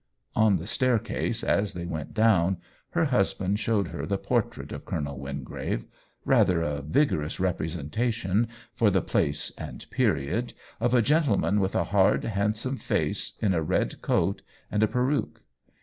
On the staircase, as they went down, her husband showed her the portrait of Colonel Wingrave — rather a vigorous representation, for the place and period, of a gentleman with a hard, handsome face, in a red coat and a peruke.